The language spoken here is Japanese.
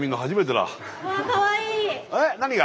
えっ何が？